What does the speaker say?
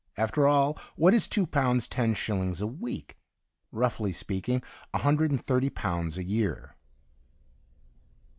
After all, what is two pounds ten shillings a week ? Roughly speak ing, a hundred and thirty pounds a year.